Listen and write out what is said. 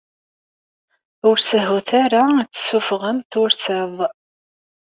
Ur sehhut ara ad tessuffɣem tursaḍ.